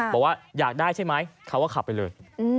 บอกว่าอยากได้ใช่ไหมเขาก็ขับไปเลย